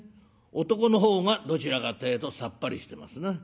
男の方がどちらかってえとさっぱりしてますな。